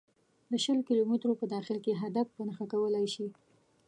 د شل کیلو مترو په داخل کې هدف په نښه کولای شي